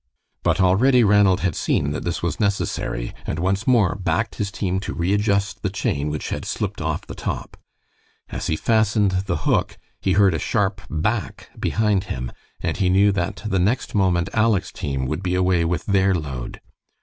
But already Ranald had seen that this was necessary, and once more backed his team to readjust the chain which had slipped off the top. As he fastened the hook he heard a sharp "Back!" behind him, and he knew that the next moment Aleck's team would be away with their load.